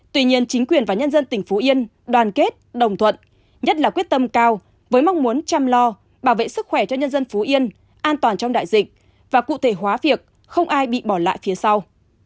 tuy nhiên chính quyền và nhân dân tỉnh phú yên đoàn kết đồng thuận nhất là quyết tâm cao với mong muốn chăm lo bảo vệ sức khỏe cho nhân dân phú yên an toàn trong đại dịch và cụ thể hóa việc không ai bị bỏ lại phía sau